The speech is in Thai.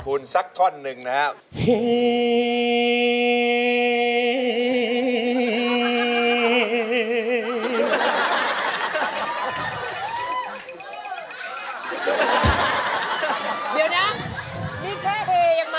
คุณสักท่อนหนึ่งนะครับ